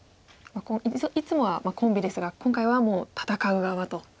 いつもはコンビですが今回は戦う側と。